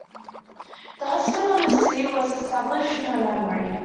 A hospital in the city was established in her memory.